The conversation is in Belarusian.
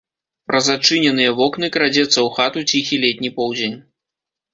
Праз адчыненыя вокны крадзецца ў хату ціхі летні поўдзень.